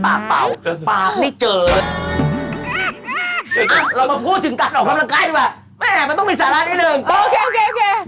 โอเคโอเคโอเค